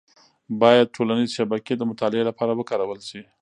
باید ټولنیز شبکې د مطالعې لپاره وکارول شي.